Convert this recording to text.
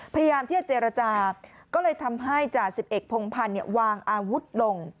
พยายามที่จะเจรจาก็เลยทำให้จ่าสิบเอกพงพันธ์วางอาวุธลง